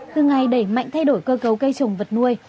từ ngày đẩy mạnh thay đổi cơ cấu cây trồng vật nuôi